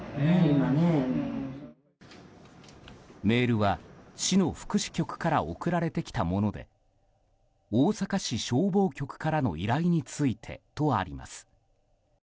メールは市の福祉局から送られてきたもので大阪市消防局からの依頼についてとあります。